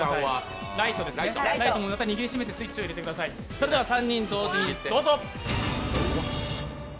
それでは３人同時にどうぞ。